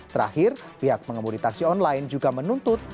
terakhir pihak pengemudi taksi online juga menuntut